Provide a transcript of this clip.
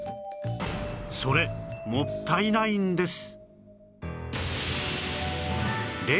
それもったいないんです